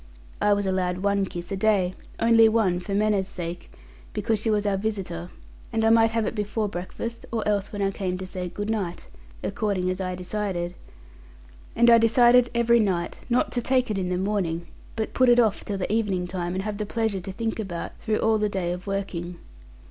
I was allowed one kiss a day; only one for manners' sake, because she was our visitor; and I might have it before breakfast, or else when I came to say 'good night!' according as I decided. And I decided every night, not to take it in the morning, but put it off till the evening time, and have the pleasure to think about, through all the day of working.